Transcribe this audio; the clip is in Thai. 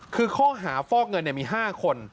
คือข้อหาฟอกเงินมี๕คน